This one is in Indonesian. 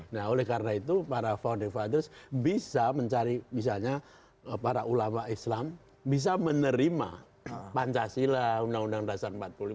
nah oleh karena itu para founding fathers bisa mencari misalnya para ulama islam bisa menerima pancasila undang undang dasar empat puluh lima